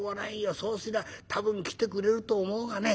そうすりゃ多分来てくれると思うがね。